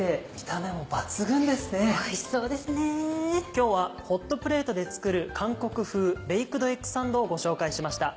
今日はホットプレートで作る韓国風ベイクドエッグサンドをご紹介しました。